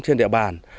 trên địa bàn